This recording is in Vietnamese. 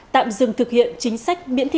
tạm dừng thực hiện chính sách miễn thị